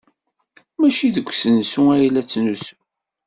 Maci deg usensu ay la ttnusuɣ.